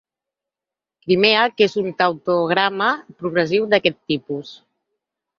Crimea que és un tautograma progressiu d'aquest tipus.